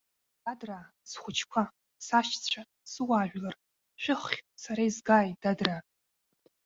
Дадраа, схәыҷқәа, сашьцәа, суаажәлар, шәыххь сара изгааит, дадраа!